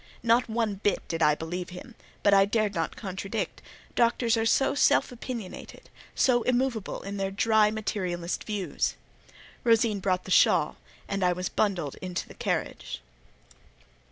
Not one bit did I believe him; but I dared not contradict: doctors are so self opinionated, so immovable in their dry, materialist views. Rosine brought the shawl, and I was bundled into the carriage.